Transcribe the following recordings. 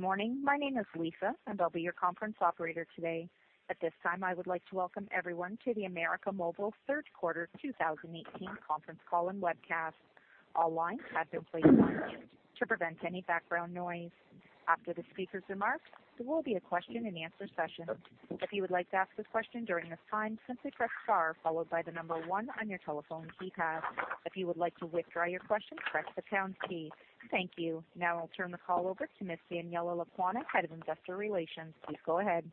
Good morning. My name is Lisa, and I'll be your conference operator today. At this time, I would like to welcome everyone to the América Móvil third quarter 2018 conference call and webcast. All lines have been placed on mute to prevent any background noise. After the speaker's remarks, there will be a question and answer session. If you would like to ask a question during this time, simply press star followed by the number 1 on your telephone keypad. If you would like to withdraw your question, press the pound key. Thank you. Now I'll turn the call over to Ms. Daniela Lecuona, Head of Investor Relations. Please go ahead.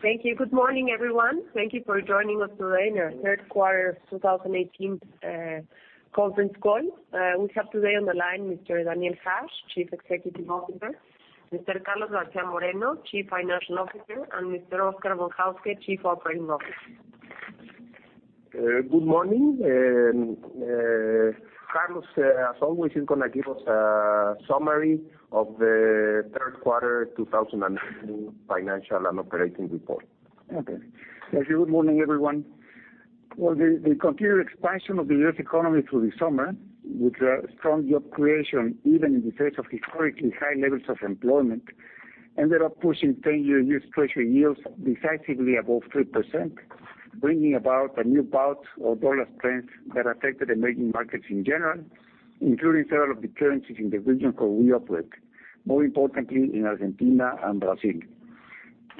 Thank you. Good morning, everyone. Thank you for joining us today in our third quarter 2018 conference call. We have today on the line Mr. Daniel Hajj, Chief Executive Officer, Mr. Carlos García Moreno, Chief Financial Officer, and Mr. Oscar Von Hauske, Chief Operating Officer. Good morning. Carlos, as always, is going to give us a summary of the third quarter 2018 financial and operating report. Okay. Thank you. Good morning, everyone. Well, the continued expansion of the U.S. economy through the summer, with strong job creation even in the face of historically high levels of employment, ended up pushing 10-year U.S. Treasury yields decisively above 3%, bringing about a new bout of dollar strength that affected emerging markets in general, including several of the currencies in the region where we operate, more importantly in Argentina and Brazil.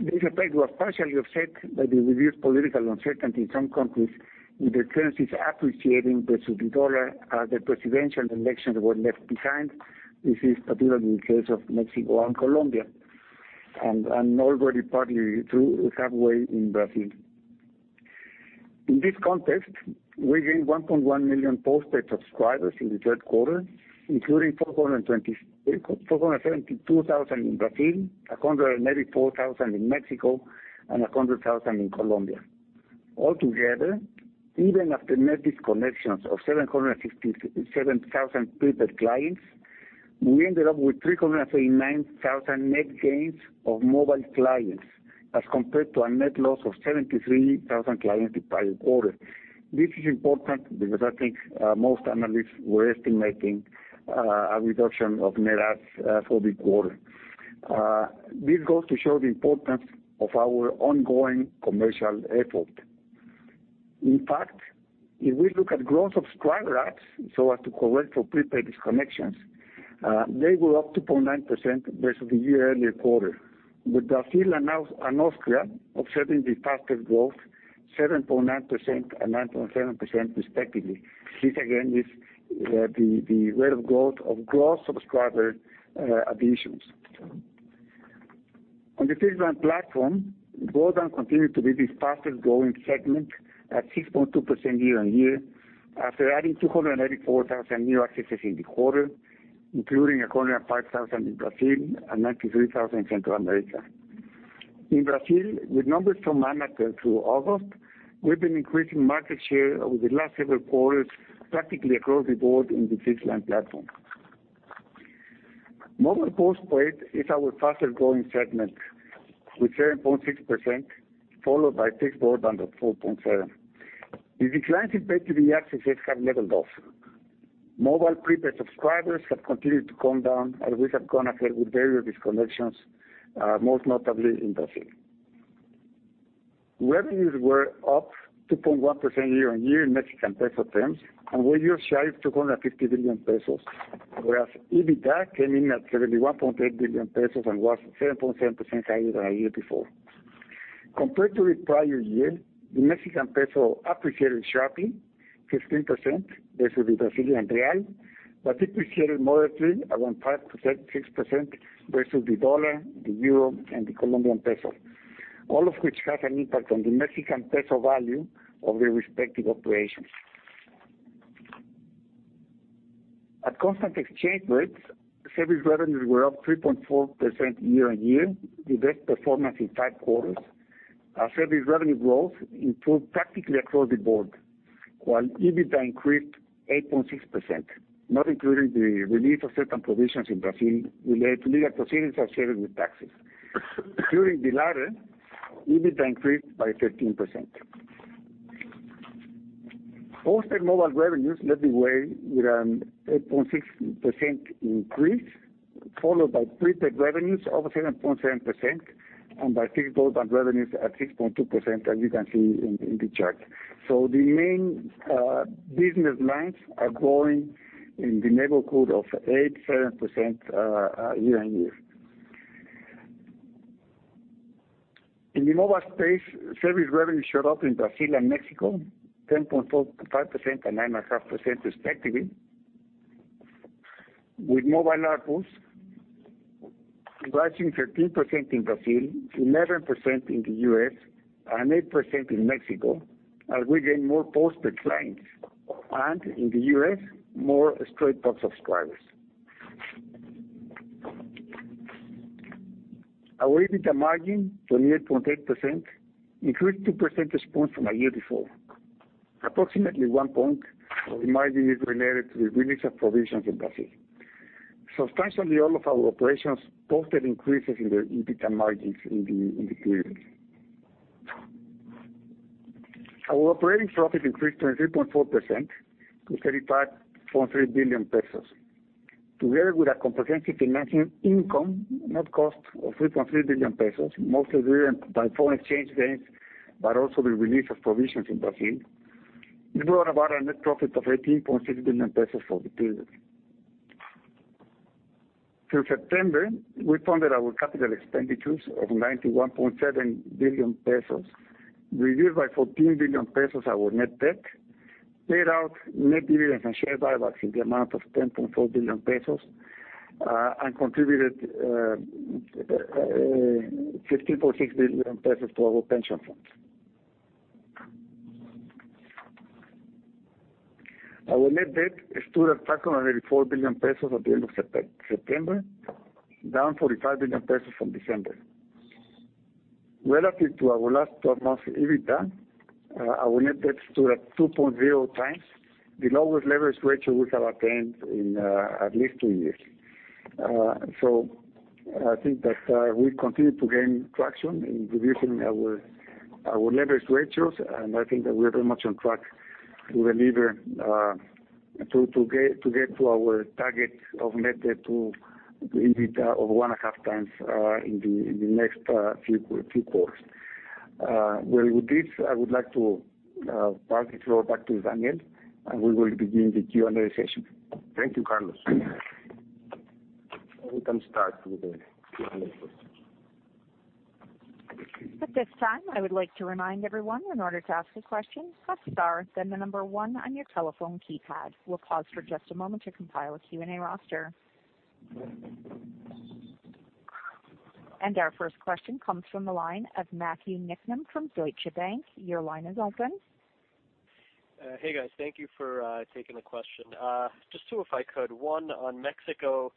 This effect was partially offset by the reduced political uncertainty in some countries, with the currencies appreciating versus the dollar as the presidential elections were left behind. This is particularly the case of Mexico and Colombia, and already partly true halfway in Brazil. In this context, we gained 1.1 million postpaid subscribers in the third quarter, including 472,000 in Brazil, 184,000 in Mexico, and 100,000 in Colombia. All together, even after net disconnections of 757,000 prepaid clients, we ended up with 339,000 net gains of mobile clients as compared to a net loss of 73,000 clients the prior quarter. This is important because I think most analysts were estimating a reduction of net adds for the quarter. This goes to show the importance of our ongoing commercial effort. In fact, if we look at gross subscriber adds, as to correct for prepaid disconnections, they were up 2.9% versus the year earlier quarter, with Brazil and Austria observing the fastest growth, 7.9% and 9.7% respectively. This again is the rate of growth of gross subscriber additions. On the fixed line platform, broadband continued to be the fastest-growing segment at 6.2% year-on-year, after adding 284,000 new accesses in the quarter, including 105,000 in Brazil and 93,000 in Central America. In Brazil, with numbers from January through August, we've been increasing market share over the last several quarters practically across the board in the fixed line platform. Mobile postpaid is our fastest-growing segment with 7.6%, followed by fixed broadband at 4.7%. The declines in pay TV accesses have leveled off. Mobile prepaid subscribers have continued to come down as we have gone ahead with various disconnections, most notably in Brazil. Revenues were up 2.1% year-on-year in MXN terms and were just shy of 250 billion pesos, whereas EBITDA came in at 71.8 billion pesos and was 7.7% higher than a year before. Compared to the prior year, the MXN appreciated sharply, 15% versus the BRL, but appreciated moderately around 5%-6% versus the U.S. dollar, the EUR, and the Colombian peso, all of which have an impact on the MXN value of the respective operations. At constant exchange rates, service revenues were up 3.4% year-on-year, the best performance in five quarters. Our service revenue growth improved practically across the board, while EBITDA increased 8.6%, not including the release of certain provisions in Brazil related to legal proceedings associated with taxes. Including the latter, EBITDA increased by 13%. Postpaid mobile revenues led the way with an 8.6% increase, followed by prepaid revenues of 7.7% and by fixed broadband revenues at 6.2%, as you can see in the chart. The main business lines are growing in the neighborhood of 8%, 7% year-on-year. In the mobile space, service revenue showed up in Brazil and Mexico, 10.5% and 9.5% respectively. With mobile ARPUs rising 13% in Brazil, 11% in the U.S., and 8% in Mexico as we gain more postpaid clients, and in the U.S., more Straight Talk subscribers. Our EBITDA margin, 28.8%, increased two percentage points from a year before. Approximately one point of the margin is related to the release of provisions in Brazil. Substantially all of our operations posted increases in the EBITDA margins in the period. Our operating profit increased to 23.4% to 35.3 billion pesos. Together with our comprehensive financial income, net cost of 3.3 billion pesos, mostly driven by foreign exchange gains, but also the release of provisions in Brazil. It brought about a net profit of 18.6 billion pesos for the period. Through September, we funded our capital expenditures of 91.7 billion pesos, reduced by 14 billion pesos our net debt, paid out net dividends and share buybacks in the amount of 10.4 billion pesos, and contributed 15.6 billion pesos to our pension funds. Our net debt stood at 584 billion pesos at the end of September, down 45 billion pesos from December. Relative to our last 12 months EBITDA, our net debt stood at 2.0 times, the lowest leverage ratio we have attained in at least two years. I think that we continue to gain traction in reducing our leverage ratios, and I think that we are very much on track to get to our target of net debt to EBITDA of one and a half times in the next few quarters. Well, with this, I would like to pass the floor back to Daniel, we will begin the Q&A session. Thank you, Carlos. We can start with the Q&A questions. At this time, I would like to remind everyone, in order to ask a question, press star, then the number one on your telephone keypad. We'll pause for just a moment to compile a Q&A roster. Our first question comes from the line of Matthew Niknam from Deutsche Bank. Your line is open. Hey, guys. Thank you for taking the question. Just two, if I could. One on Mexico,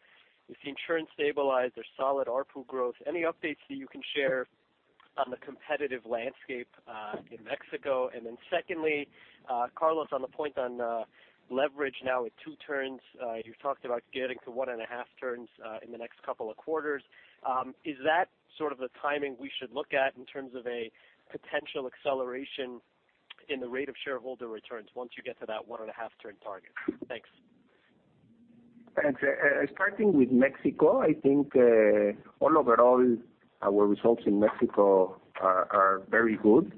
with the insurance stabilized, their solid ARPU growth, any updates that you can share on the competitive landscape in Mexico? Secondly, Carlos, on the point on leverage now at 2 turns, you talked about getting to 1.5 turns in the next 2 quarters. Is that sort of the timing we should look at in terms of a potential acceleration in the rate of shareholder returns once you get to that 1.5 turn target? Thanks. Thanks. Starting with Mexico, I think overall, our results in Mexico are very good.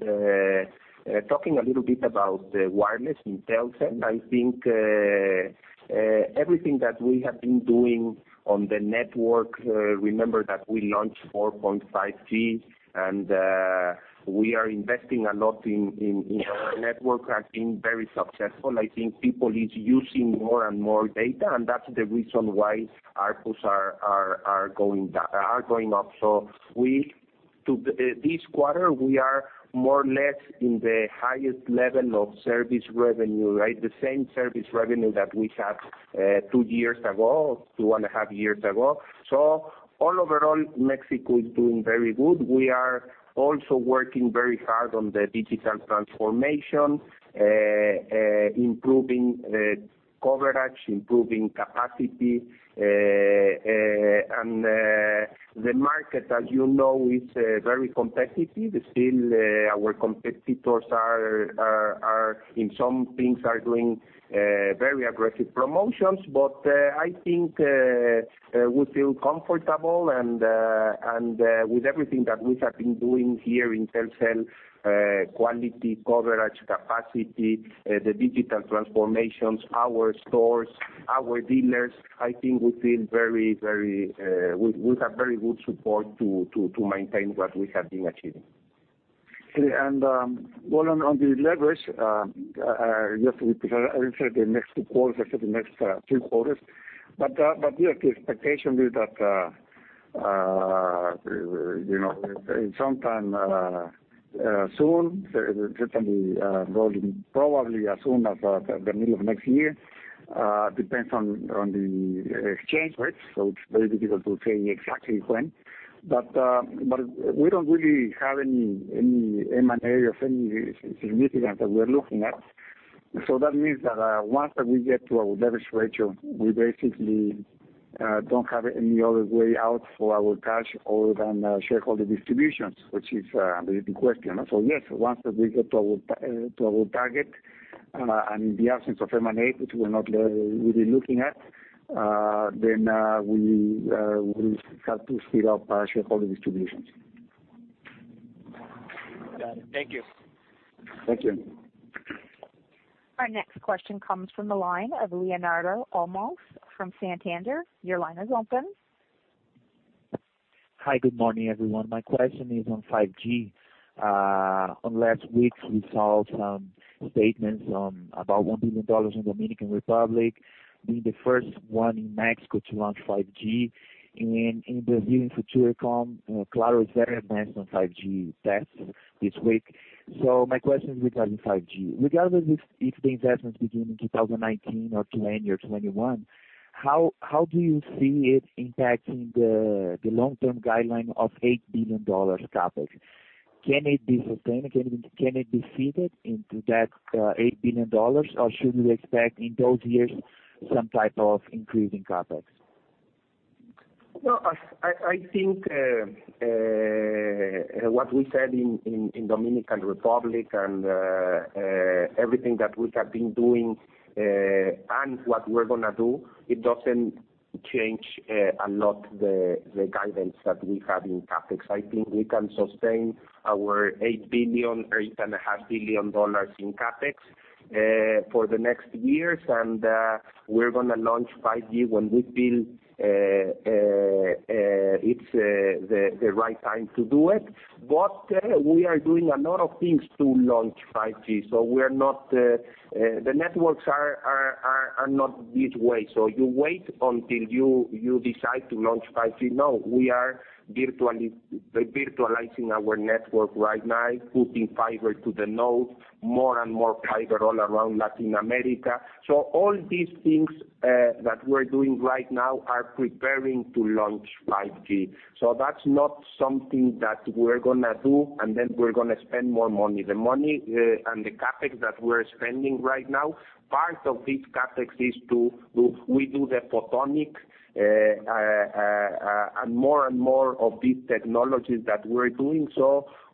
Talking a little bit about wireless in Telcel, I think everything that we have been doing on the network, remember that we launched 4.5G, we are investing a lot in our network, have been very successful. I think people is using more and more data, that's the reason why ARPUs are going up. This quarter, we are more or less in the highest level of service revenue, right? The same service revenue that we had 2 years ago, 2.5 years ago. Overall, Mexico is doing very good. We are also working very hard on the digital transformation, improving coverage, improving capacity. The market, as you know, is very competitive. Still, our competitors are, in some things, are doing very aggressive promotions. I think we feel comfortable and with everything that we have been doing here in Telcel, quality, coverage, capacity, the digital transformations, our stores, our dealers, I think we have very good support to maintain what we have been achieving. Okay. Well, on the leverage, just to repeat, I said the next 2 quarters, I said the next 3 quarters. Yes, the expectation is that sometime soon, certainly rolling probably as soon as the middle of next year, depends on the exchange rates, it's very difficult to say exactly when. We don't really have any M&A of any significance that we're looking at. That means that once that we get to our leverage ratio, we basically don't have any other way out for our cash other than shareholder distributions, which is the question. Yes, once that we get to our target, in the absence of M&A, which we're not really looking at, we have to speed up our shareholder distributions. Got it. Thank you. Thank you. Our next question comes from the line of Leonardo Olmos from Santander. Your line is open. Hi. Good morning, everyone. My question is on 5G. Last week, we saw some statements on about $1 billion in Dominican Republic being the first one in Mexico to launch 5G. In Brazil, in Futurecom, Claro is very advanced on 5G tests this week. My question is regarding 5G. Regardless if the investments begin in 2019 or 2020 or 2021, how do you see it impacting the long-term guideline of $8 billion CapEx? Can it be sustained? Can it be fitted into that $8 billion, or should we expect in those years some type of increase in CapEx? I think what we said in Dominican Republic and everything that we have been doing and what we're going to do, it doesn't change a lot the guidance that we have in CapEx. I think we can sustain our $8.5 billion in CapEx for the next years. We're going to launch 5G when we feel it's the right time to do it. We are doing a lot of things to launch 5G. The networks are not this way. You wait until you decide to launch 5G. We are virtualizing our network right now, putting fiber to the node, more and more fiber all around Latin America. All these things that we're doing right now are preparing to launch 5G. That's not something that we're going to do and then we're going to spend more money. The money and the CapEx that we're spending right now, part of this CapEx is we do the photonics, and more and more of these technologies that we're doing.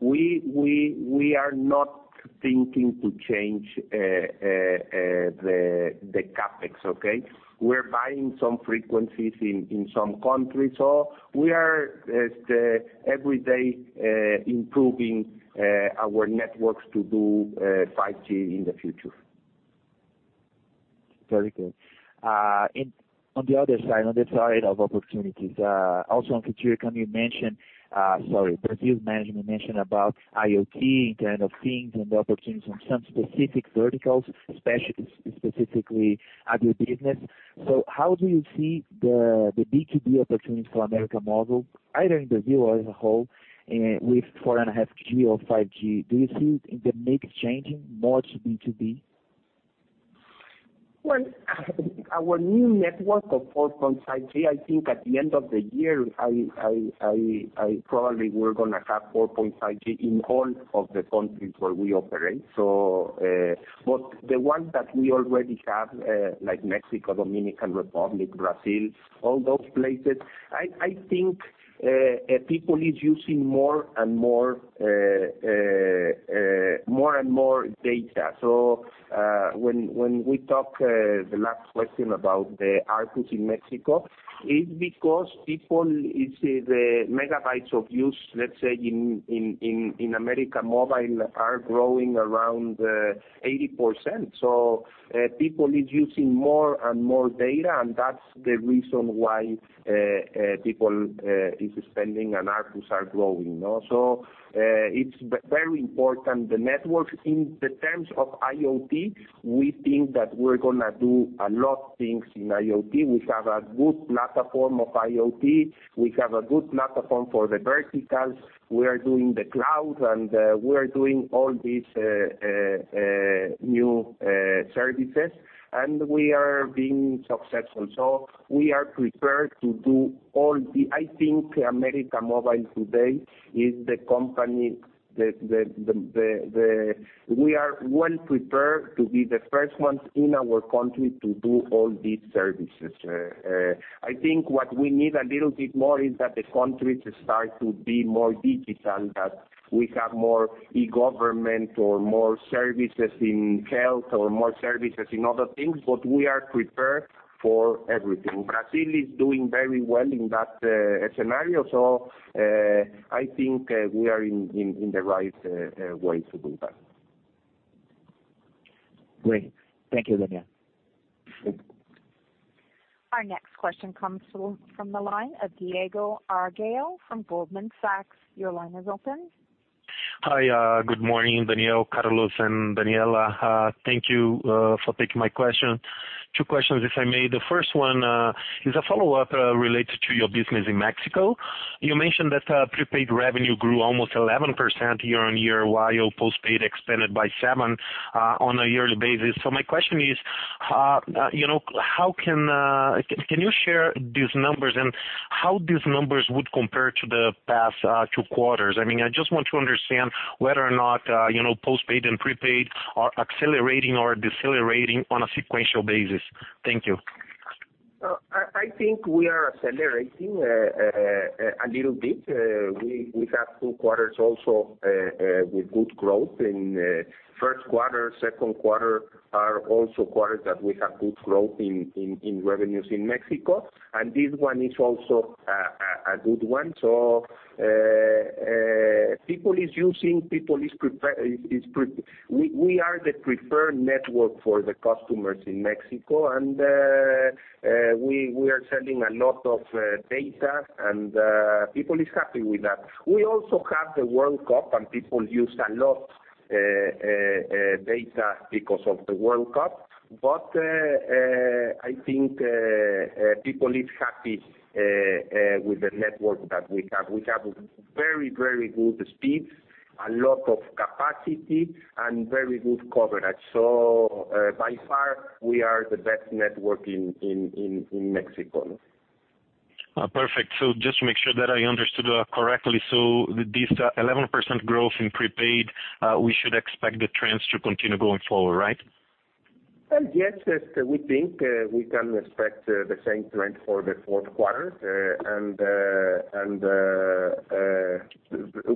We are not thinking to change the CapEx, okay. We're buying some frequencies in some countries. We are every day improving our networks to do 5G in the future. Very good. On the other side, on the side of opportunities, also on Futurecom, Brazil's management mentioned about IoT and kind of things and the opportunities on some specific verticals, specifically agribusiness. How do you see the B2B opportunities for América Móvil, either in Brazil or as a whole with 4.5G or 5G? Do you see it in the mix changing more to B2B? Our new network of 4.5G, I think at the end of the year, probably we're going to have 4.5G in all of the countries where we operate. The ones that we already have, like Mexico, Dominican Republic, Brazil, all those places, I think people is using more and more data. When we talk the last question about the ARPU in Mexico, it's because people is the megabytes of use, let's say, in América Móvil are growing around 80%. People is using more and more data, and that's the reason why people is spending and ARPUs are growing. It's very important, the network. In the terms of IoT, we think that we're going to do a lot things in IoT. We have a good platform of IoT. We have a good platform for the verticals. We are doing the cloud, and we are doing all these new services, and we are being successful. We are prepared to do all the. I think América Móvil today is the company that we are well prepared to be the first ones in our country to do all these services. I think what we need a little bit more is that the countries start to be more digital, that we have more e-government or more services in health or more services in other things. We are prepared for everything. Brazil is doing very well in that scenario, I think we are in the right way to do that. Great. Thank you, Daniel. Our next question comes from the line of Diego Arguelles from Goldman Sachs. Your line is open. Hi, good morning, Daniel, Carlos, and Daniela. Thank you for taking my question. Two questions, if I may. The first one is a follow-up related to your business in Mexico. You mentioned that prepaid revenue grew almost 11% year-on-year, while postpaid expanded by 7% on a yearly basis. My question is, can you share these numbers and how these numbers would compare to the past two quarters? I just want to understand whether or not postpaid and prepaid are accelerating or decelerating on a sequential basis. Thank you. I think we are accelerating a little bit. We have two quarters also with good growth in first quarter. Second quarter are also quarters that we have good growth in revenues in Mexico. This one is also a good one. People is using, we are the preferred network for the customers in Mexico. We are selling a lot of data and people is happy with that. We also have the World Cup, and people used a lot data because of the World Cup. I think people is happy with the network that we have. We have very good speeds, a lot of capacity, and very good coverage. By far we are the best network in Mexico. Perfect. Just to make sure that I understood correctly, so this 11% growth in prepaid, we should expect the trends to continue going forward, right? Yes, we think we can expect the same trend for the fourth quarter.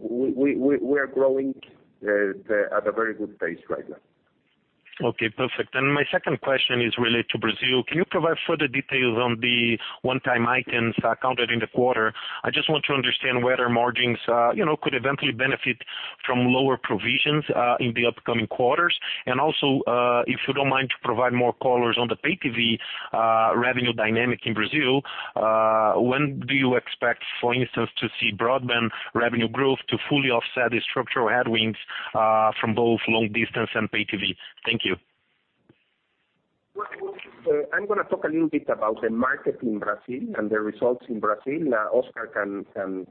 We are growing at a very good pace right now. Okay, perfect. My second question is related to Brazil. Can you provide further details on the one-time items counted in the quarter? I just want to understand whether margins could eventually benefit from lower provisions in the upcoming quarters. Also, if you don't mind to provide more colors on the pay TV revenue dynamic in Brazil, when do you expect, for instance, to see broadband revenue growth to fully offset the structural headwinds from both long distance and pay TV? Thank you. I'm going to talk a little bit about the market in Brazil and the results in Brazil. Oscar can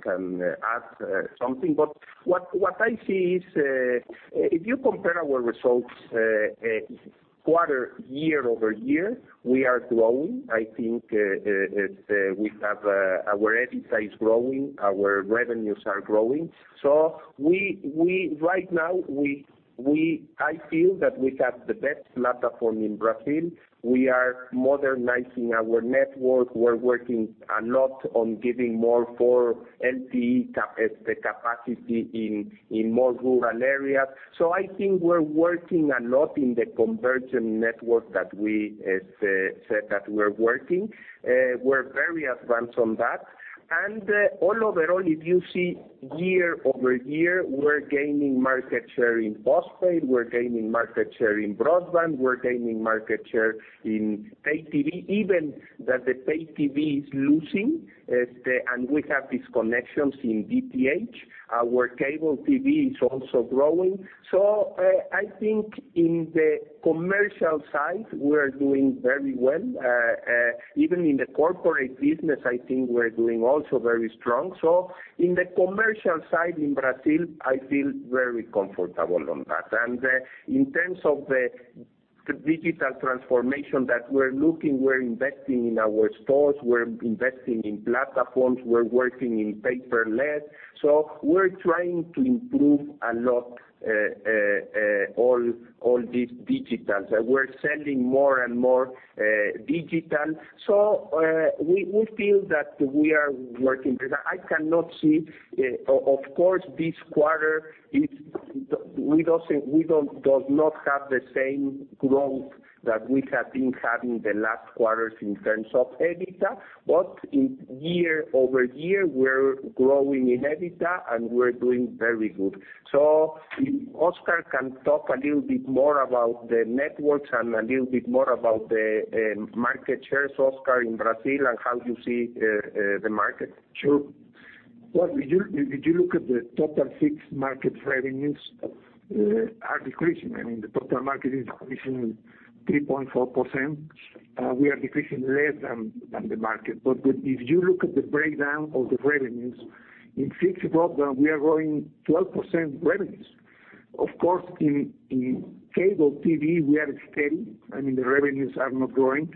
add something. What I see is, if you compare our results quarter year-over-year, we are growing. I think our EBITDA is growing, our revenues are growing. Right now, I feel that we have the best platform in Brazil. We are modernizing our network. We're working a lot on giving more for LTE capacity in more rural areas. I think we're working a lot in the convergent network that we said that we're working. We're very advanced on that. Overall, if you see year-over-year, we're gaining market share in postpaid, we're gaining market share in broadband, we're gaining market share in pay TV, even that the pay TV is losing, and we have these connections in DTH. Our cable TV is also growing. I think in the commercial side, we are doing very well. Even in the corporate business, I think we're doing also very strong. In the commercial side in Brazil, I feel very comfortable on that. In terms of the digital transformation that we're looking, we're investing in our stores, we're investing in platforms, we're working in paperless. We're trying to improve a lot all these digitals. We're selling more and more digital. We feel that we are working. I cannot see, of course, this quarter does not have the same growth that we have been having the last quarters in terms of EBITDA. In year-over-year, we're growing in EBITDA, and we're doing very good. Oscar can talk a little bit more about the networks and a little bit more about the market shares, Oscar, in Brazil and how you see the market. Sure. If you look at the total fixed market revenues are decreasing. I mean, the total market is decreasing 3.4%. We are decreasing less than the market. If you look at the breakdown of the revenues, in fixed broadband, we are growing 12% revenues. Of course, in cable TV, we are steady. I mean, the revenues are not growing.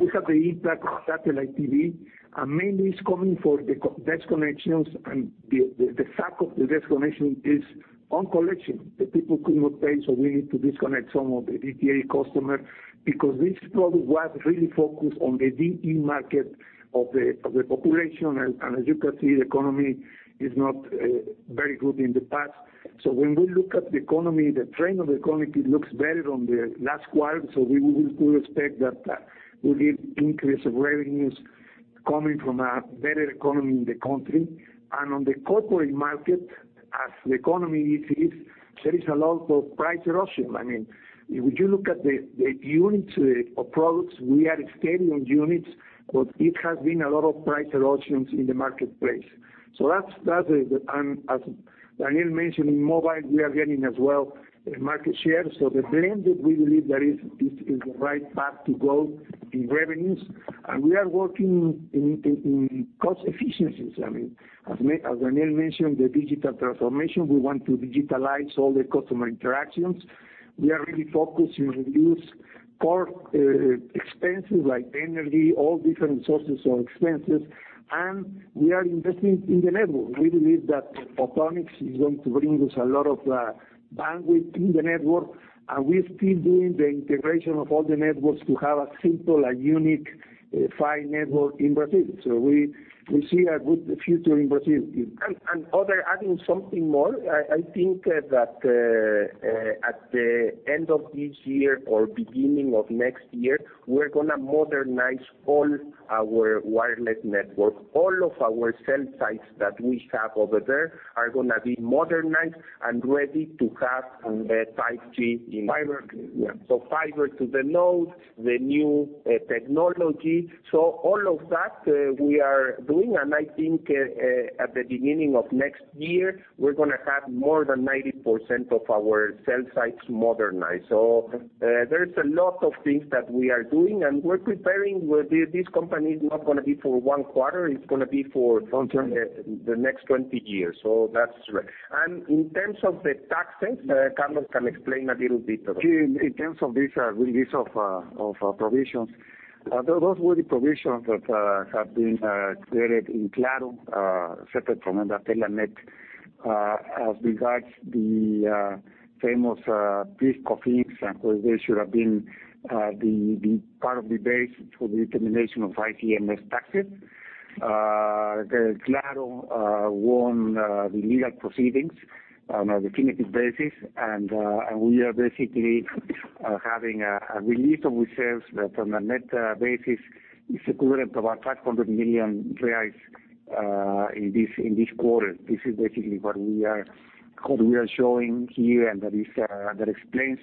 We have the impact of satellite TV. Mainly it's coming for the disconnections and the fact of the disconnection is on collection, the people could not pay, so we need to disconnect some of the DTH customer, because this product was really focused on the DE market of the population. As you can see, the economy is not very good in the past. When we look at the economy, the trend of the economy looks better on the last quarter, we will still expect that we'll get increase of revenues coming from a better economy in the country. On the corporate market, as the economy is, there is a lot of price erosion. I mean, if you look at the units of products, we are steady on units, but it has been a lot of price erosions in the marketplace. As Daniel mentioned, in mobile, we are gaining as well market share. The trend that we believe there is the right path to go in revenues. We are working in cost efficiencies. I mean, as Daniel mentioned, the digital transformation, we want to digitalize all the customer interactions. We are really focused in reduce core expenses like energy, all different sources of expenses. We are investing in the network. We believe that photonics is going to bring us a lot of bandwidth in the network, and we're still doing the integration of all the networks to have a simple and unique fiber network in Brazil. We see a good future in Brazil. Other adding something more, I think that at the end of this year or beginning of next year, we're going to modernize all our wireless network. All of our cell sites that we have over there are going to be modernized and ready to have 5G in Brazil. Fiber. Yeah. Fiber to the node, the new technology. All of that we are doing, and I think at the beginning of next year, we're going to have more than 90% of our cell sites modernized. There's a lot of things that we are doing, and we're preparing. This company is not going to be for one quarter. Long term The next 20 years. That's right. In terms of the taxes, Carlos can explain a little bit about that. In terms of this release of provisions Those were the provisions that have been created in Claro, separate from Embratel and NET. As regards the famous PIS/COFINS, they should have been part of the base for the determination of ICMS taxes. Claro won the legal proceedings on a definitive basis, we are basically having a release of reserves that on a net basis is equivalent to about 500 million reais in this quarter. This is basically what we are showing here, that explains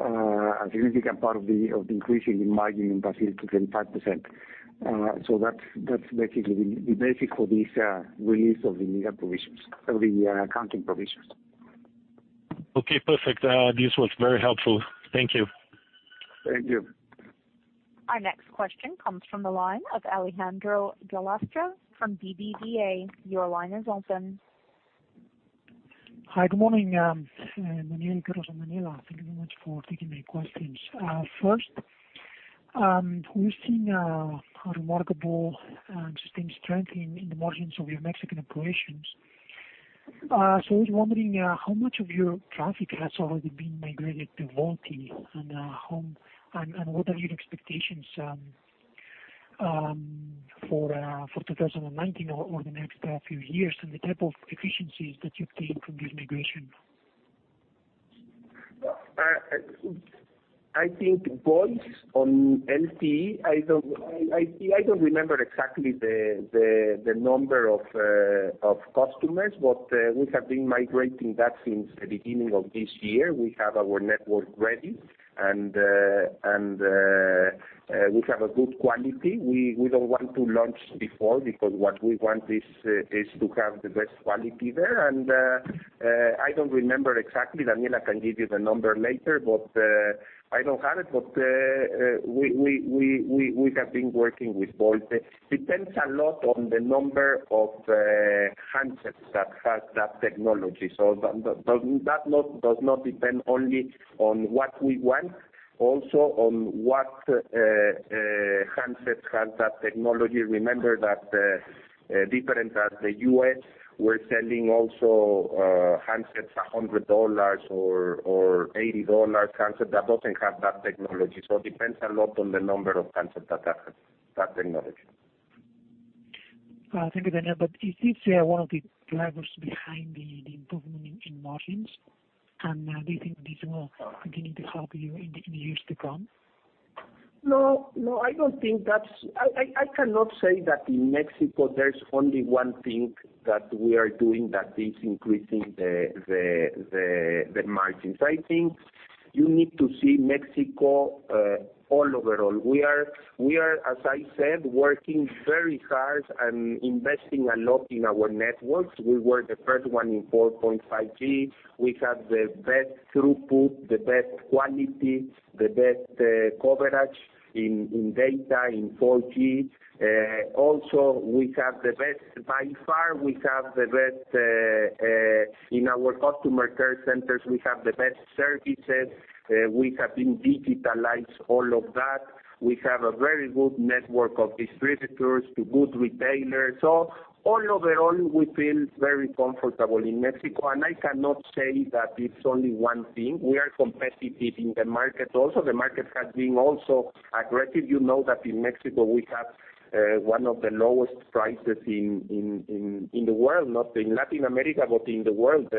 a significant part of the increase in the margin in Brazil to 25%. That's basically the basis for this release of the legal provisions, of the accounting provisions. Okay, perfect. This was very helpful. Thank you. Thank you. Our next question comes from the line of Alejandro Gallostra from BBVA. Your line is open. Hi, good morning. Daniel, Carlos, and Daniela, thank you very much for taking my questions. First, we've seen a remarkable sustained strength in the margins of your Mexican operations. I was wondering how much of your traffic has already been migrated to VoLTE, and what are your expectations for 2019 or the next few years and the type of efficiencies that you obtain from this migration? I think VoLTE on LTE, I don't remember exactly the number of customers, but we have been migrating that since the beginning of this year. We have our network ready, and we have a good quality. We don't want to launch before because what we want is to have the best quality there. I don't remember exactly. Daniela can give you the number later, but I don't have it, but we have been working with VoLTE. Depends a lot on the number of handsets that have that technology. That does not depend only on what we want, also on what handsets have that technology. Remember that different as the U.S., we're selling also handsets at $100 or $80 handset that doesn't have that technology. It depends a lot on the number of handsets that have that technology. Thank you, Daniel. Is this one of the drivers behind the improvement in margins? Do you think this will continue to help you in the years to come? No, I don't think I cannot say that in Mexico, there's only one thing that we are doing that is increasing the margins. I think you need to see Mexico overall. We are, as I said, working very hard and investing a lot in our networks. We were the first one in 4.5G. We have the best throughput, the best quality, the best coverage in data, in 4G. Also, by far, in our customer care centers, we have the best services. We have been digitized all of that. We have a very good network of distributors to good retailers. Overall, we feel very comfortable in Mexico, I cannot say that it's only one thing. We are competitive in the market. The market has been also aggressive. You know that in Mexico, we have one of the lowest prices in the world, not in Latin America, but in the world.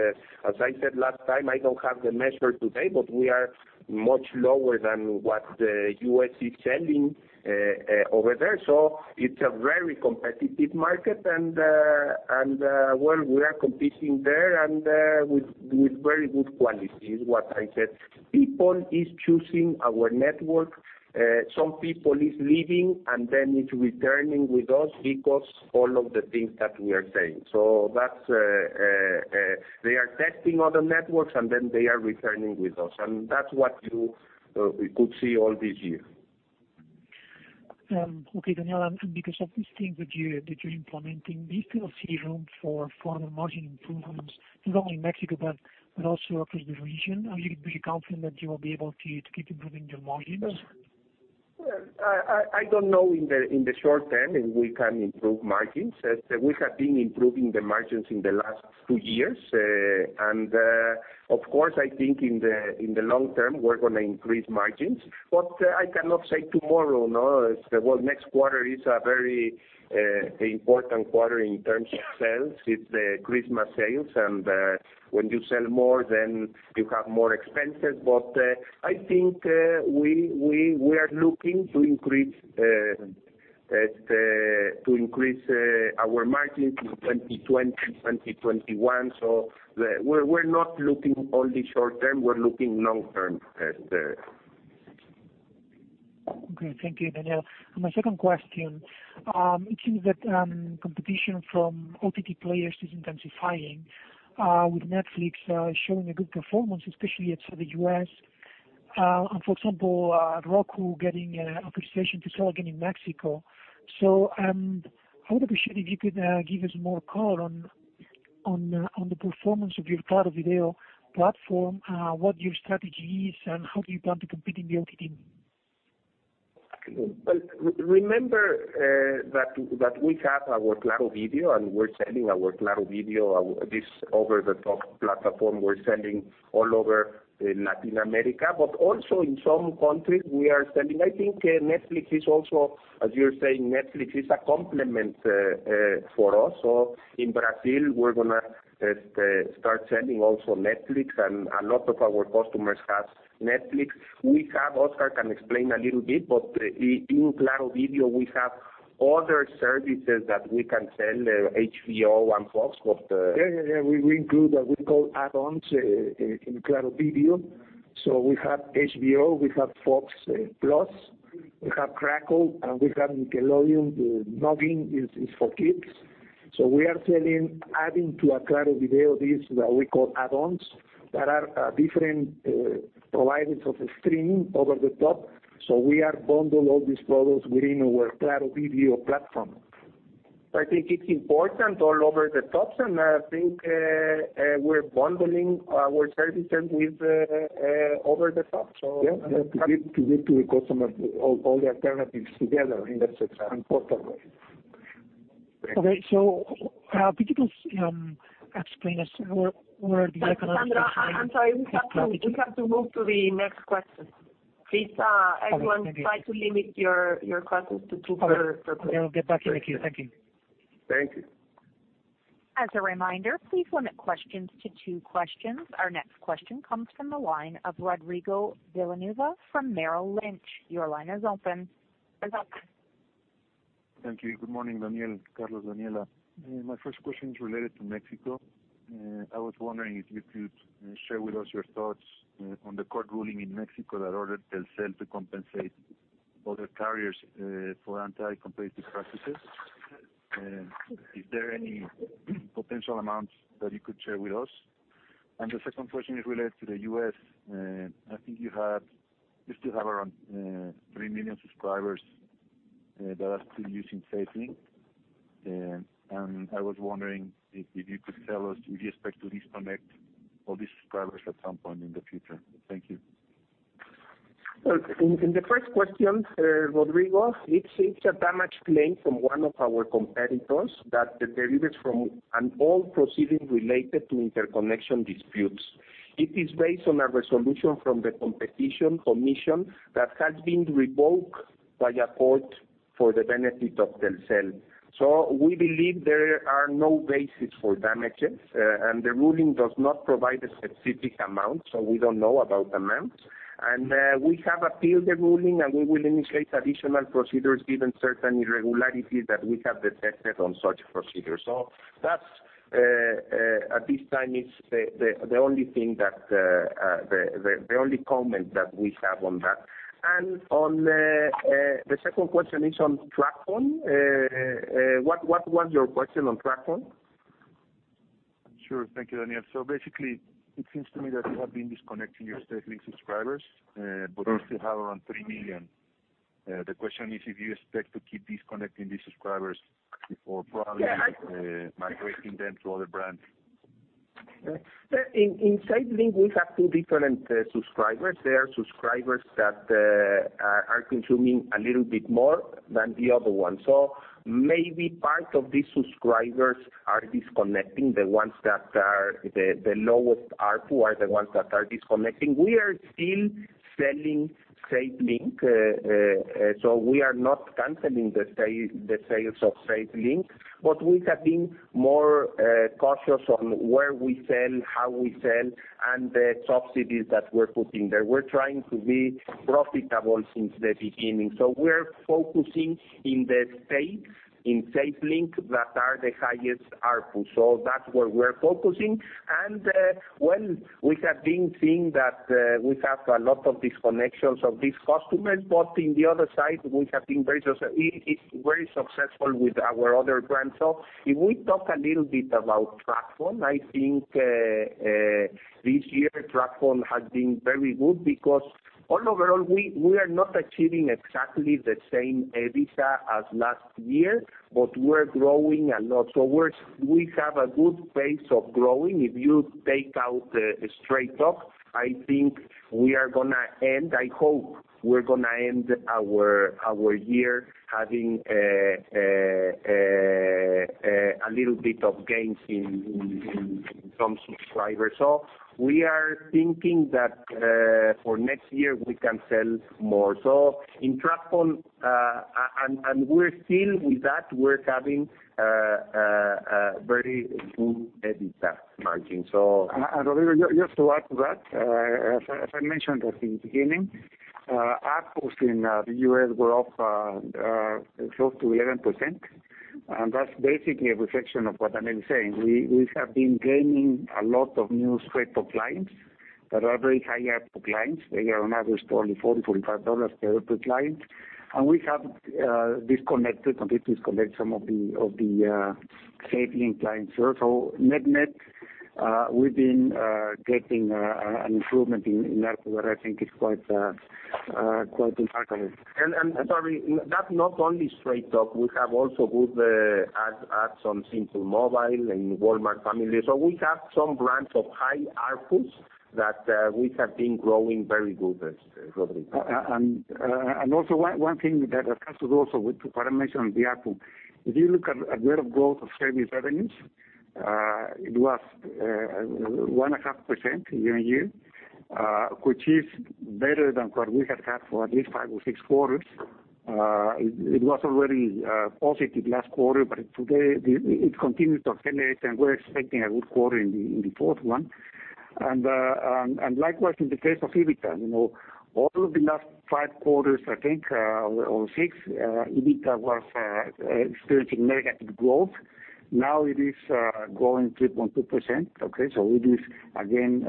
As I said last time, I don't have the measure today, but we are much lower than what the U.S. is selling over there. It's a very competitive market, we are competing there with very good quality is what I said. People is choosing our network. Some people is leaving then is returning with us because all of the things that we are saying. They are testing other networks, then they are returning with us. That's what we could see all this year. Okay, Daniel, because of these things that you're implementing, do you still see room for further margin improvements, not only in Mexico but also across the region? Are you pretty confident that you will be able to keep improving your margins? I don't know in the short term if we can improve margins. We have been improving the margins in the last two years. Of course, I think in the long term, we're going to increase margins. I cannot say tomorrow, no. Well, next quarter is a very important quarter in terms of sales. It's the Christmas sales, when you sell more, then you have more expenses. I think we are looking to increase our margins in 2020, 2021. We're not looking only short term, we're looking long term there. Okay. Thank you, Daniel. My second question, it seems that competition from OTT players is intensifying, with Netflix showing a good performance, especially outside the U.S. For example, Roku getting authorization to sell again in Mexico. I would appreciate if you could give us more color on the performance of your Claro Video platform, what your strategy is and how do you plan to compete in the OTT? Remember that we have our Claro Video, we're selling our Claro Video, this over-the-top platform we're selling all over Latin America, also in some countries, we are selling. I think Netflix is also, as you're saying, Netflix is a complement for us. In Brazil, we're going to start selling also Netflix, a lot of our customers have Netflix. We have, Oscar can explain a little bit, but in Claro Video, we have other services that we can sell, HBO and Fox. Yeah. We include what we call add-ons in Claro Video. We have HBO, we have Fox One, we have Crackle, and we have Nickelodeon. Noggin is for kids. We are selling, adding to our Claro Video, these, what we call add-ons, that are different providers of streaming over the top. We are bundle all these products within our Claro Video platform. I think it's important all over the tops, and I think we're bundling our services with over the top. Yeah. To give to the customer all the alternatives together in the central and proper way. Okay, could you please explain to us where the economics- Alejandro, I am sorry. We have to move to the next question. Please, everyone, try to limit your questions to two per call. Okay. I will get back in the queue. Thank you. Thank you. As a reminder, please limit questions to two questions. Our next question comes from the line of Rodrigo Villanueva from Merrill Lynch. Your line is open. Thank you. Good morning, Daniel, Carlos, Daniela. My first question is related to Mexico. I was wondering if you could share with us your thoughts on the court ruling in Mexico that ordered Telcel to compensate other carriers for anti-competitive practices. Is there any potential amounts that you could share with us? The second question is related to the U.S. I think you still have around 3 million subscribers that are still using SafeLink. I was wondering if you could tell us, do you expect to disconnect all these subscribers at some point in the future? Thank you. Well, in the first question, Rodrigo, it's a damage claim from one of our competitors that derives from an old proceeding related to interconnection disputes. It is based on a resolution from the competition commission that has been revoked by a court for the benefit of Telcel. We believe there are no basis for damages. The ruling does not provide a specific amount, so we don't know about amounts. We have appealed the ruling, and we will initiate additional procedures given certain irregularities that we have detected on such procedures. That at this time is the only comment that we have on that. The second question is on TracFone. What was your question on TracFone? Sure. Thank you, Daniel. Basically, it seems to me that you have been disconnecting your SafeLink subscribers, but you still have around 3 million. The question is if you expect to keep disconnecting these subscribers or probably migrating them to other brands. In SafeLink, we have two different subscribers. There are subscribers that are consuming a little bit more than the other one. Maybe part of these subscribers are disconnecting. The ones that are the lowest ARPU are the ones that are disconnecting. We are still selling SafeLink, we are not canceling the sales of SafeLink, but we have been more cautious on where we sell, how we sell, and the subsidies that we're putting there. We're trying to be profitable since the beginning. We're focusing in the states in SafeLink that are the highest ARPU. That's where we're focusing, and when we have been seeing that we have a lot of disconnections of these customers, but in the other side, it's very successful with our other brands. If we talk a little bit about TracFone, I think this year TracFone has been very good because overall, we are not achieving exactly the same EBITDA as last year, but we're growing a lot. We have a good pace of growing. If you take out Straight Talk, I think we are going to end, I hope we're going to end our year having a little bit of gains in terms of subscribers. We are thinking that for next year, we can sell more. In TracFone, and we're still with that, we're having a very good EBITDA margin. Rodrigo, just to add to that, as I mentioned at the beginning, ARPU in the U.S. were up close to 11%, and that's basically a reflection of what Daniel is saying. We have been gaining a lot of new Straight Talk clients that are very high ARPU clients. They are on average, probably $40, $45 per client. We have disconnected completely disconnect some of the SafeLink clients there. Net/net We've been getting an improvement in ARPU that I think is quite impactful. Sorry, that's not only Straight Talk. We have also good adds on Simple Mobile and Walmart Family. We have some brands of high ARPUs that we have been growing very good, Rodrigo. Also one thing that has to do also with what I mentioned, the ARPU, if you look at rate of growth of service revenues, it was 1.5% year-on-year, which is better than what we have had for at least five or six quarters. It was already positive last quarter, but today it continues to accelerate, and we're expecting a good quarter in the fourth one. Likewise, in the case of EBITDA, all of the last five quarters, I think, or six, EBITDA was experiencing negative growth. Now it is growing 3.2%. Okay, it is again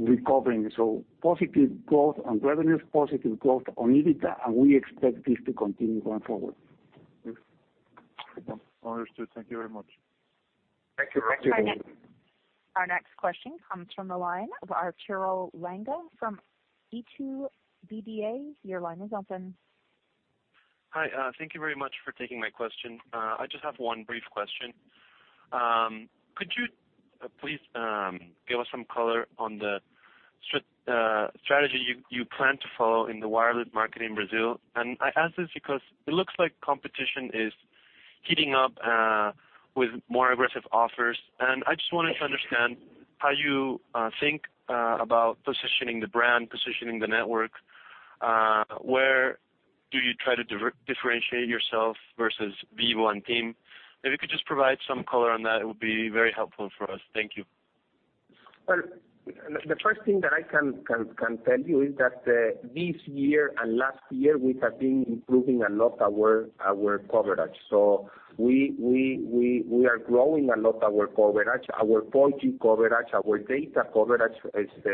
recovering. Positive growth on revenues, positive growth on EBITDA, and we expect this to continue going forward. Understood. Thank you very much. Thank you. Our next question comes from the line of Arturo Langa from Itaú BBA. Your line is open. Hi. Thank you very much for taking my question. I just have one brief question. Could you please give us some color on the strategy you plan to follow in the wireless market in Brazil? I ask this because it looks like competition is heating up with more aggressive offers, I just wanted to understand how you think about positioning the brand, positioning the network. Where do you try to differentiate yourself versus Vivo and TIM? If you could just provide some color on that, it would be very helpful for us. Thank you. The first thing that I can tell you is that this year and last year, we have been improving a lot our coverage. We are growing a lot our coverage, our 4G coverage, our data coverage,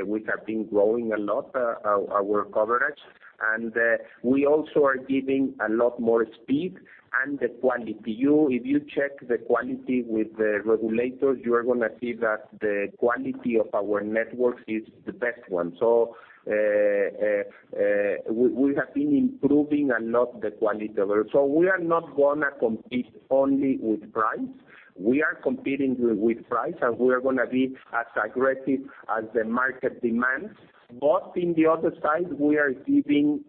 we have been growing a lot our coverage, and we also are giving a lot more speed and the quality. If you check the quality with the regulators, you are going to see that the quality of our networks is the best one. We have been improving a lot the quality. We are not going to compete only with price. We are competing with price, and we are going to be as aggressive as the market demands. In the other side, we're giving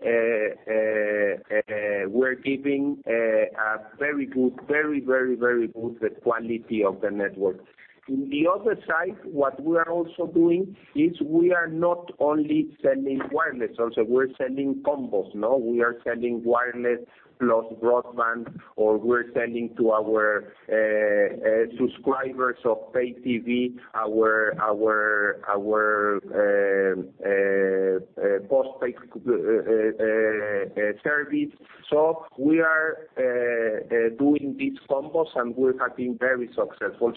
a very good quality of the network. In the other side, what we are also doing is we are not only selling wireless also, we're selling combos, no? We are selling wireless plus broadband, or we're selling to our subscribers of pay TV our postpaid service. We are doing these combos, and we have been very successful.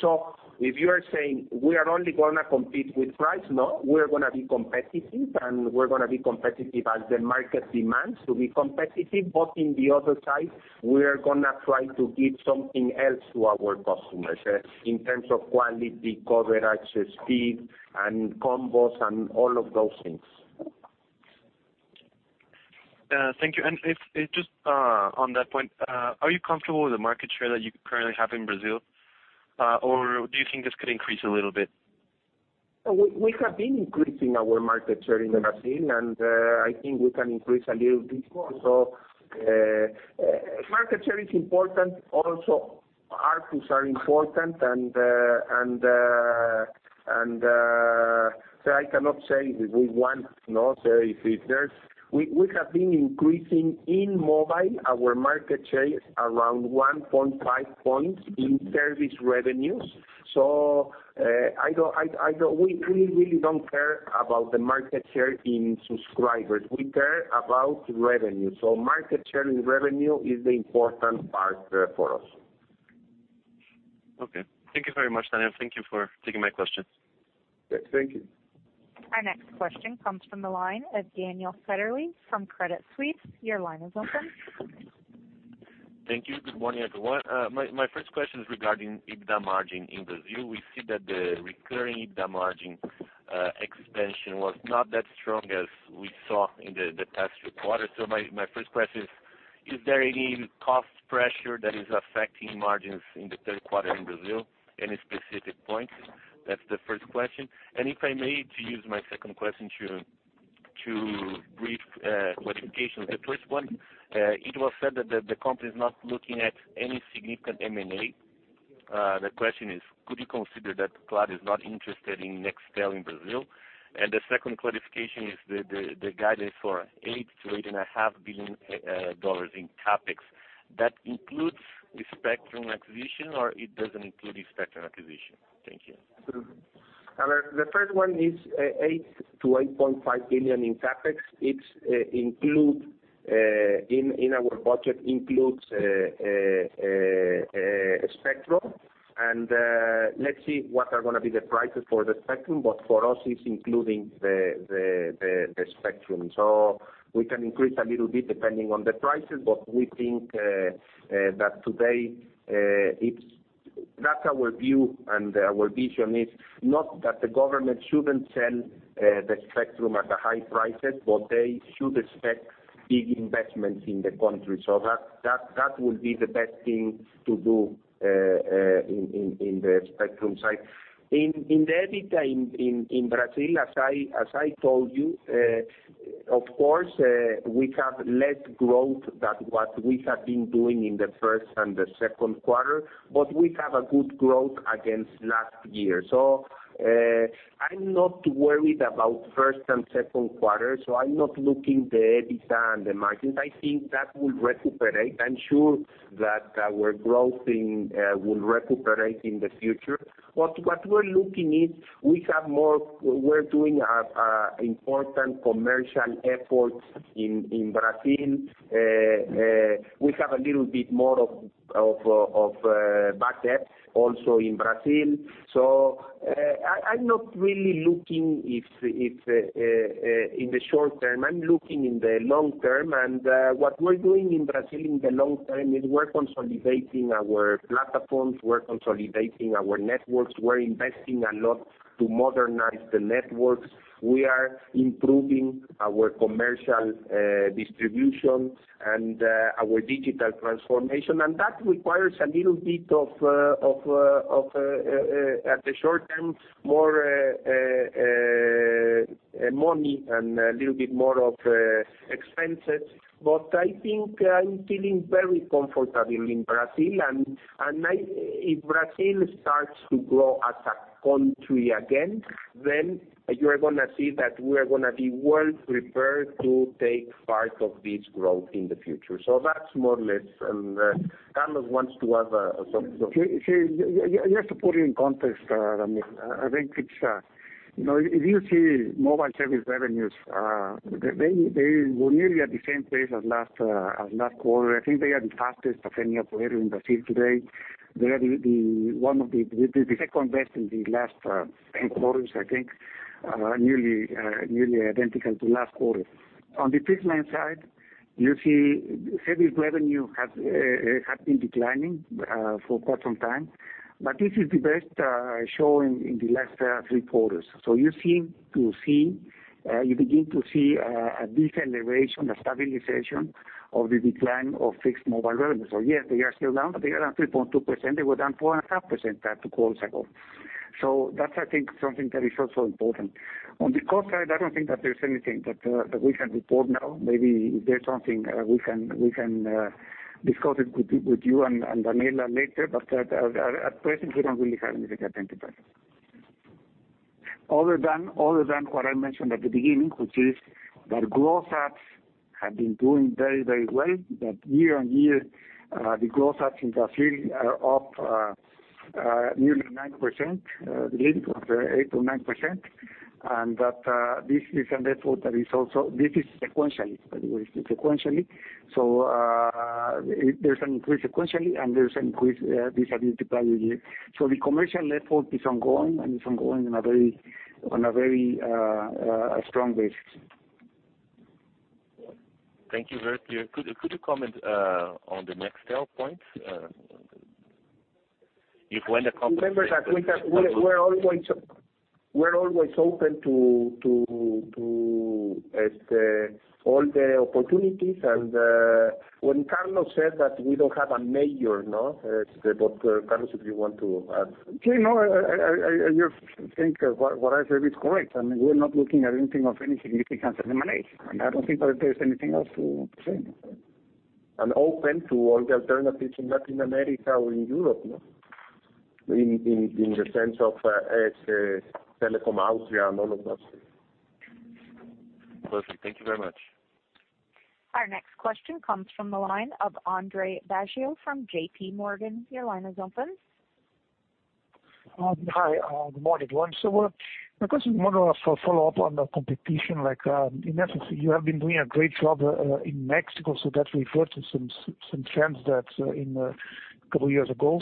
If you are saying we are only going to compete with price, no, we're going to be competitive, and we're going to be competitive as the market demands to be competitive. In the other side, we are going to try to give something else to our customers in terms of quality, coverage, speed, and combos, and all of those things. Thank you. Just on that point, are you comfortable with the market share that you currently have in Brazil? Do you think this could increase a little bit? We have been increasing our market share in Brazil, and I think we can increase a little bit more. Market share is important. Also, ARPUs are important, and I cannot say we want, no. We have been increasing in mobile our market share around 1.5 points in service revenues. We really don't care about the market share in subscribers. We care about revenue. Market share in revenue is the important part for us. Okay. Thank you very much, Daniel. Thank you for taking my question. Thank you. Our next question comes from the line of Daniel Federle from Credit Suisse. Your line is open. Thank you. Good morning, everyone. My first question is regarding EBITDA margin in Brazil. We see that the recurring EBITDA margin expansion was not that strong as we saw in the past few quarters. My first question is there any cost pressure that is affecting margins in the third quarter in Brazil? Any specific points? That's the first question. If I may to use my second question to brief clarification of the first one. It was said that the company is not looking at any significant M&A. The question is, could you consider that Claro is not interested in Nextel in Brazil? The second clarification is the guidance for $8 billion-$8.5 billion in CapEx. That includes the spectrum acquisition, or it doesn't include the spectrum acquisition? Thank you. The first one is $8 billion-$8.5 billion in CapEx. In our budget, includes spectrum, and let's see what are going to be the prices for the spectrum. For us, it's including the spectrum. We can increase a little bit depending on the prices. That's our view and our vision is not that the government shouldn't sell the spectrum at high prices, but they should expect big investments in the country. That will be the best thing to do in the spectrum side. In the EBITDA in Brazil, as I told you, of course, we have less growth than what we have been doing in the first and second quarter, but we have a good growth against last year. I'm not worried about first and second quarters, I'm not looking at the EBITDA and the margins. I think that will recuperate. I'm sure that our growth will recuperate in the future. What we're looking is, we're doing important commercial efforts in Brazil. We have a little bit more of bad debt also in Brazil. I'm not really looking in the short term, I'm looking in the long term. What we're doing in Brazil in the long term is we're consolidating our platforms, we're consolidating our networks, we're investing a lot to modernize the networks. We are improving our commercial distribution and our digital transformation. That requires a little bit of, at the short term, more money and a little bit more of expenses. I think I'm feeling very comfortable in Brazil. If Brazil starts to grow as a country again, then you're going to see that we're going to be well prepared to take part of this growth in the future. That's more or less. Carlos wants to add something. Just to put it in context, I think if you see mobile service revenues, they were nearly at the same pace as last quarter. I think they are the fastest of any operator in Brazil today. They are the second best in the last 10 quarters, I think, nearly identical to last quarter. On the fixed line side, you see service revenue has been declining for quite some time. This is the best show in the last three quarters. You begin to see a deceleration, a stabilization of the decline of fixed mobile revenues. Yes, they are still down, but they are down 3.2%, they were down 4.5% two quarters ago. That's, I think, something that is also important. On the cost side, I don't think that there's anything that we can report now. Maybe there's something we can discuss it with you and Daniela later, but at present, we don't really have anything to add to that. Other than what I mentioned at the beginning, which is that growth has have been doing very, very well, that year-over-year, the growth has in Brazil are up nearly 9%, I believe it was 8%-9%, and that this is a network that is also, this is sequentially, by the way. It's sequentially. There's an increase sequentially, and there's an increase this year to prior year. The commercial effort is ongoing, and it's ongoing on a very strong basis. Thank you. Very clear. Could you comment on the Nextel points? If when a company- Remember that we're always open to all the opportunities, and when Carlos said that we don't have a major, no, Carlos, if you want to add. No, I think what I said is correct. I mean, we're not looking at anything of any significance at the moment. I don't think that there's anything else to say. Open to all the alternatives in Latin America or in Europe, no? In the sense of Telekom Austria and all of that. Perfect. Thank you very much. Our next question comes from the line of Andre Baggio from JP Morgan. Your line is open. Hi. Good morning, everyone. My question, in one more of a, is for follow-up on the competition. In essence, you have been doing a great job in Mexico, that reverted some trends that in a couple years ago.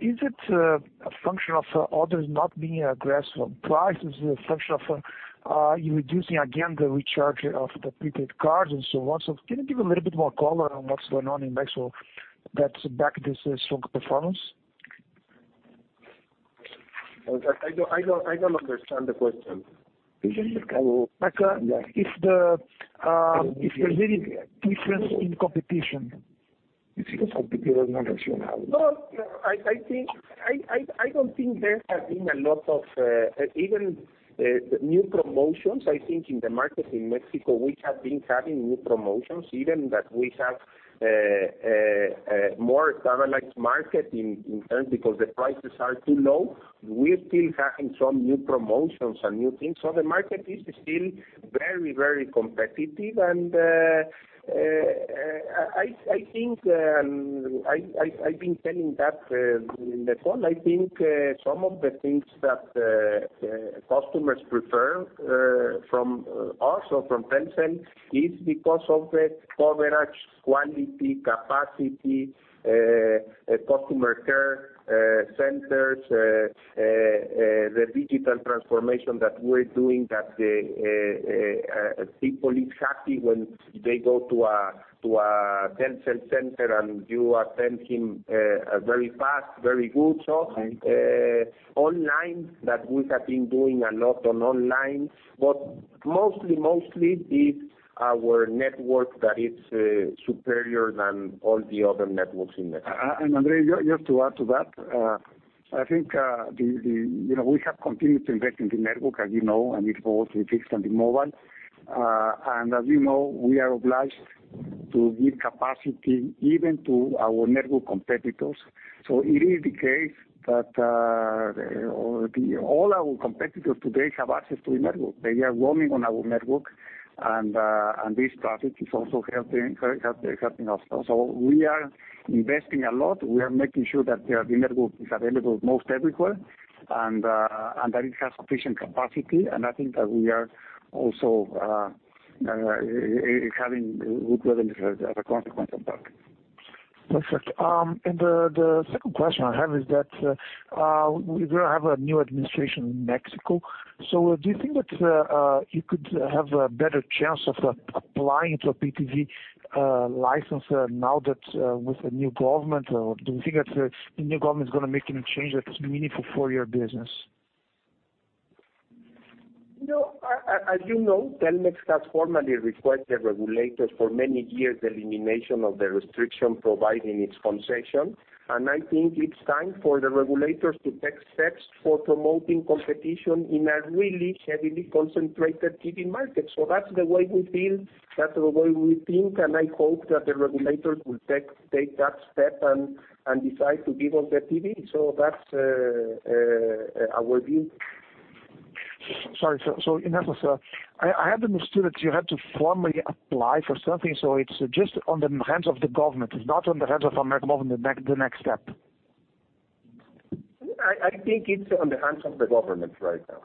Is it a function of others not being aggressive on price? Is it a function of you reducing again the recharge of the prepaid cards and so on? Can you give a little bit more color on what's going on in Mexico that's backed this strong performance? I don't understand the question. Like if there's any difference in competition. I don't think there has been a lot of even new promotions. I think in the market in Mexico, we have been having new promotions, even that we have a more commoditized market in terms because the prices are too low. We're still having some new promotions and new things. The market is still very, very competitive and I've been saying that in the call, I think some of the things that customers prefer from us or from Telcel is because of the coverage, quality, capacity, customer care centers, the digital transformation that we're doing, that people is happy when they go to a Telcel center and you attend him very fast, very good. Okay. Online, that we have been doing a lot on online, mostly, it's our network that is superior than all the other networks in Mexico. Andre, just to add to that, I think we have continued to invest in the network, as you know, and it's both in fixed and in mobile. As you know, we are obliged to give capacity even to our network competitors. It is the case that all our competitors today have access to the network. They are roaming on our network, and this traffic is also helping us. We are investing a lot. We are making sure that the network is available most everywhere and that it has sufficient capacity. I think that we are also having good revenues as a consequence of that. Perfect. The second question I have is that we now have a new administration in Mexico. Do you think that you could have a better chance of applying to a pay TV license now with the new government, or do you think that the new government is going to make any change that's meaningful for your business? As you know, Telmex has formally requested regulators for many years the elimination of the restriction providing its concession. I think it's time for the regulators to take steps for promoting competition in a really heavily concentrated pay TV market. That's the way we feel, that's the way we think. I hope that the regulators will take that step and decide to give us the pay TV. That's our view. Sorry. In that sense, I had understood that you had to formally apply for something. It's just on the hands of the government. It's not on the hands of América Móvil, the next step. I think it's on the hands of the government right now.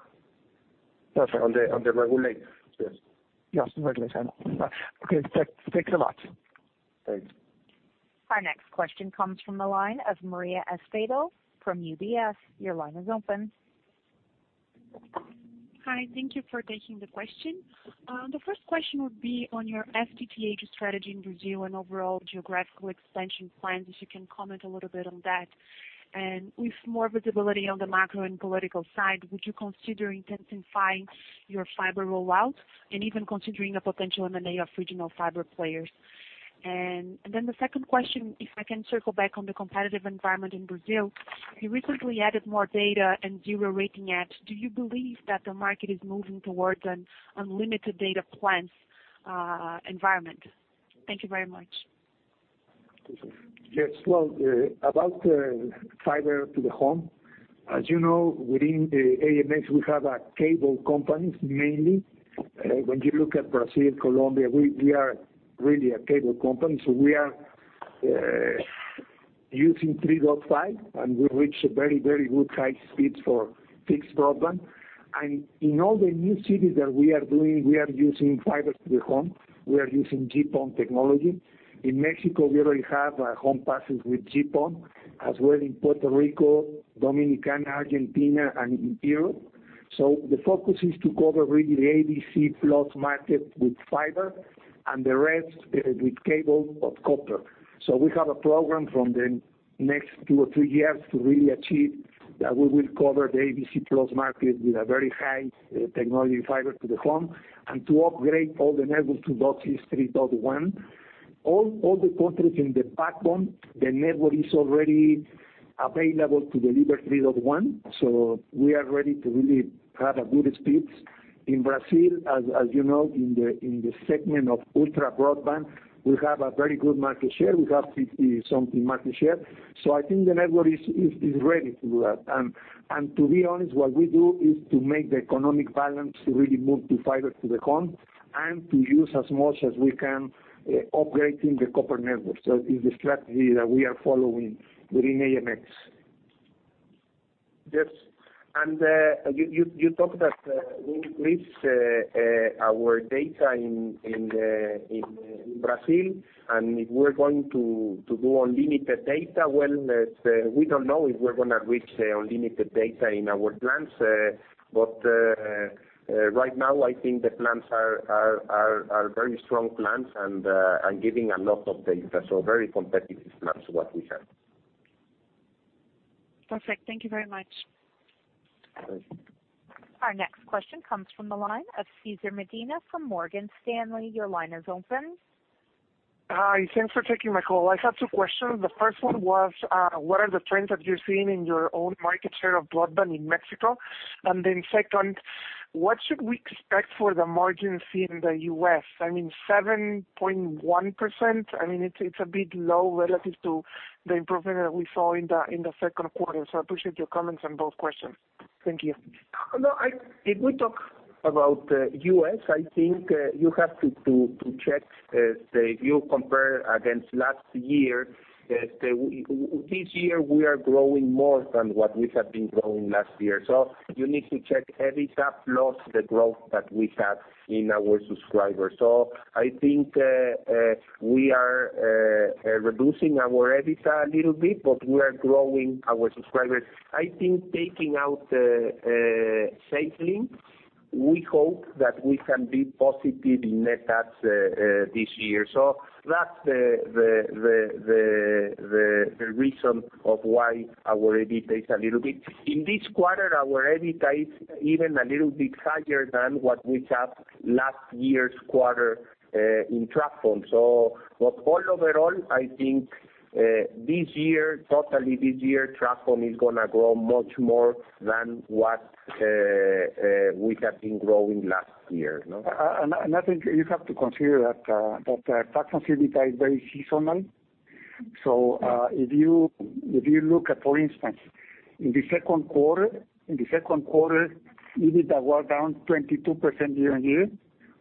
Perfect. On the regulators, yes. Yes, regulators. Okay. Thanks a lot. Thanks. Our next question comes from the line of Maria Espada from UBS. Your line is open. Hi, thank you for taking the question. The first question would be on your FTTH strategy in Brazil and overall geographical expansion plans, if you can comment a little bit on that. With more visibility on the macro and political side, would you consider intensifying your fiber rollout and even considering a potential M&A of regional fiber players? The second question, if I can circle back on the competitive environment in Brazil. You recently added more data and zero-rating apps. Do you believe that the market is moving towards an unlimited data plans environment? Thank you very much. Yes. Well, about fiber to the home, as you know, within AMX, we have a cable company, mainly. When you look at Brazil, Colombia, we are really a cable company. We are using 3.5, and we reach very good high speeds for fixed broadband. In all the new cities that we are doing, we are using fiber to the home. We are using GPON technology. In Mexico, we already have home passes with GPON, as well in Puerto Rico, Dominican, Argentina, and in Peru. The focus is to cover really the ABC plus market with fiber and the rest with cable or copper. We have a program from the next two or three years to really achieve that we will cover the ABC plus market with a very high technology fiber to the home and to upgrade all the network to DOCSIS 3.1. All the countries in the backbone, the network is already available to deliver 3.1, we are ready to really have good speeds. In Brazil, as you know, in the segment of ultra broadband, we have a very good market share. We have 50 something market share. I think the network is ready to do that. To be honest, what we do is to make the economic balance to really move to fiber to the home and to use as much as we can upgrading the copper network. It's the strategy that we are following within AMX. Yes. You talked that we increased our data in Brazil, and if we're going to go unlimited data. Well, we don't know if we're going to reach unlimited data in our plans. Right now, I think the plans are very strong plans and are giving a lot of data. Very competitive plans, what we have. Perfect. Thank you very much. Thanks. Our next question comes from the line of Cesar Medina from Morgan Stanley. Your line is open. Hi. Thanks for taking my call. I have two questions. The first one was, what are the trends that you're seeing in your own market share of broadband in Mexico? Second, what should we expect for the margins in the U.S.? I mean, 7.1%, it's a bit low relative to the improvement that we saw in the second quarter. I appreciate your comments on both questions. Thank you. No, if we talk about the U.S., I think you have to check if you compare against last year. This year, we are growing more than what we have been growing last year. You need to check EBITDA plus the growth that we have in our subscribers. I think we are reducing our EBITDA a little bit, but we are growing our subscribers. I think taking out cycling, we hope that we can be positive in net adds this year. That's the reason of why our EBITDA is a little bit. In this quarter, our EBITDA is even a little bit higher than what we have last year's quarter in TracFone. Overall, I think this year, totally this year, TracFone is going to grow much more than what we have been growing last year. I think you have to consider that TracFone's EBITDA is very seasonal. If you look at, for instance, in the second quarter, EBITDA was down 22% year-over-year,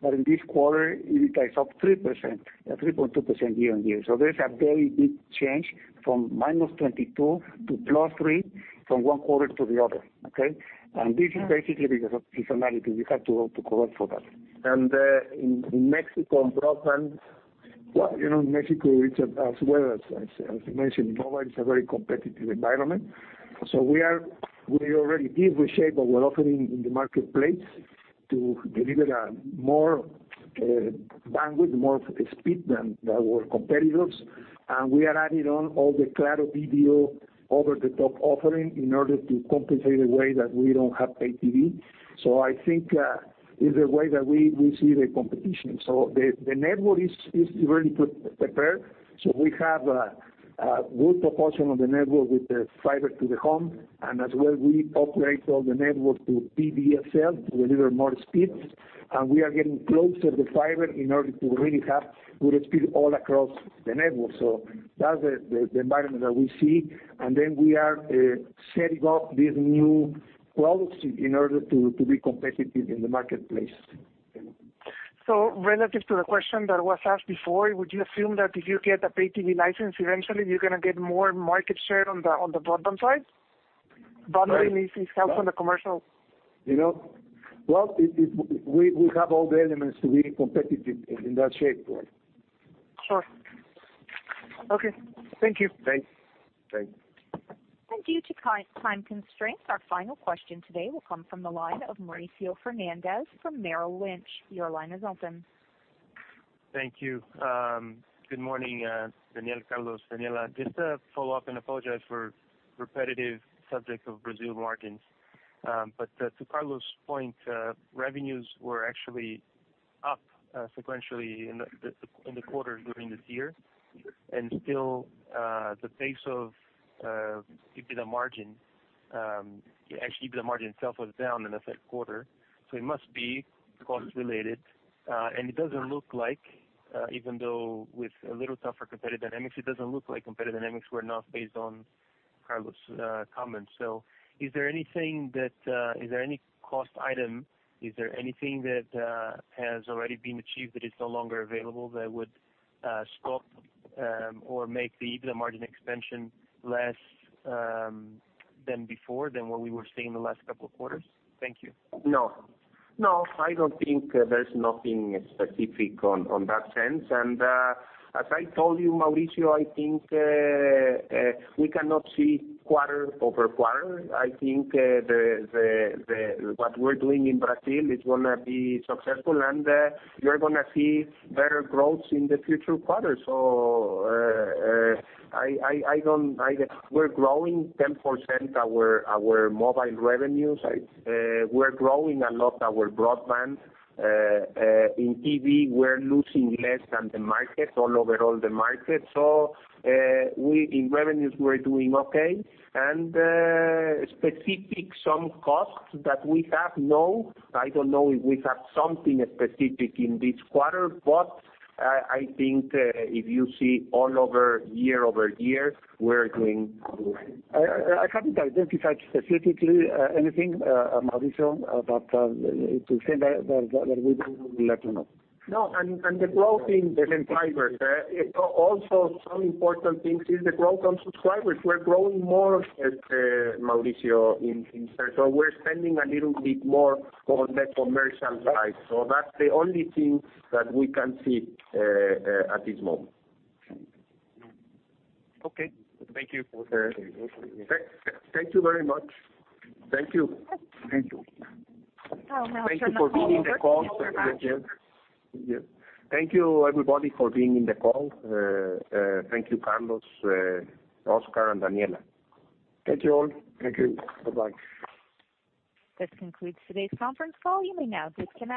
but in this quarter, EBITDA is up 3.2% year-over-year. There's a very big change from -22 to +3 from one quarter to the other. Okay. This is basically because of seasonality. You have to correct for that. In Mexico, in broadband, well, you know, in Mexico, it's as well as you mentioned, mobile is a very competitive environment. We already give the shape of our offering in the marketplace to deliver a more bandwidth, more speed than our competitors. We are adding on all the Claro video OTT offering in order to compensate the way that we don't have pay TV. I think is the way that we see the competition. The network is really prepared. We have a good proportion of the network with the FTTH. As well, we operate all the network to VDSL to deliver more speeds. We are getting closer to fiber in order to really have good speed all across the network. That's the environment that we see. Then we are setting up these new products in order to be competitive in the marketplace. Relative to the question that was asked before, would you assume that if you get a pay TV license eventually, you're going to get more market share on the broadband side? Wondering if it helps on the commercial. Well, we have all the elements to be competitive in that shape. Sure. Okay. Thank you. Thanks. Due to time constraints, our final question today will come from the line of Mauricio Fernandez from Merrill Lynch. Your line is open. Thank you. Good morning, Daniel, Carlos, Daniela, just to follow up and apologize for repetitive subject of Brazil margins. To Carlos' point, revenues were actually up sequentially in the quarter during this year. Still the pace of EBITDA margin, actually EBITDA margin itself was down in the third quarter, so it must be cost related. It doesn't look like, even though with a little tougher competitive dynamics, it doesn't look like competitive dynamics were enough based on Carlos' comments. Is there any cost item, is there anything that has already been achieved that is no longer available that would stop or make the EBITDA margin expansion less than before, than what we were seeing in the last couple of quarters? Thank you. No. I don't think there's nothing specific on that sense. As I told you, Mauricio, I think we cannot see quarter-over-quarter. I think what we're doing in Brazil is going to be successful, and you're going to see better growth in the future quarters. We're growing 10% our mobile revenues. We're growing a lot our broadband. In TV, we're losing less than the market, all over all the market. In revenues, we're doing okay. Specific some costs that we have, no, I don't know if we have something specific in this quarter, but I think if you see all over year-over-year, we're doing good. I haven't identified specifically anything, Mauricio, but to say that we will let you know. No, the growth in- In fibers also some important things is the growth on subscribers. We're growing more, Mauricio, in service. We're spending a little bit more on the commercial side. That's the only thing that we can see at this moment. Okay. Thank you. Thank you very much. Thank you. Now for the. Thank you for being in the call. We're back. Thank you everybody for being in the call. Thank you, Carlos, Oscar, and Daniela. Thank you all. Thank you. Bye-bye. This concludes today's conference call. You may now disconnect.